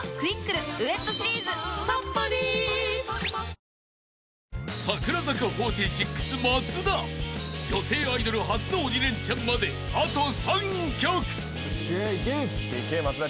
明治おいしい牛乳［櫻坂４６松田女性アイドル初の鬼レンチャンまであと３曲］